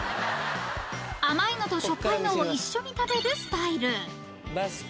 ［甘いのとしょっぱいのを一緒に食べるスタイル］